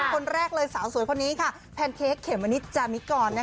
คนแรกเลยสาวสวยคนนี้ค่ะแพนเค้กเขมมะนิดจามิกร